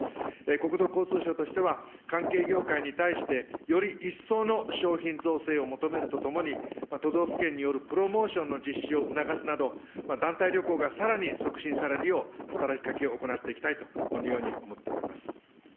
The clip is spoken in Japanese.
国土交通省としては関係業界に対して、より一層の商品造成を求めるとともに、都道府県によるプロモーションの実施を促すなど、団体旅行がさらに促進されるよう、働きかけを行っていきたいと、このように思っております。